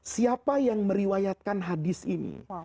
siapa yang meriwayatkan hadis ini